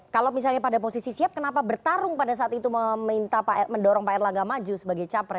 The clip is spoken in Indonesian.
kalau misalnya pada posisi siap kenapa bertarung pada saat itu mendorong pak erlangga maju sebagai capres